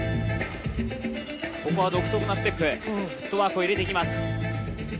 ここは独特なステップフットワークを入れていきます。